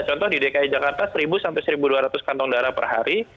contoh di dki jakarta seribu dua ratus kantong darah per hari